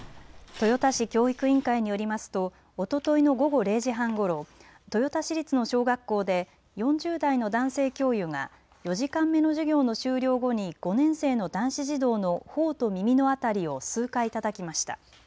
豊田市教育委員会によりますとおとといの午後０時半ごろ豊田市立の小学校で４０代の男性教諭が４時間目の授業の終了後に５年生の男子児童のほおと耳の辺りを数回たたきました。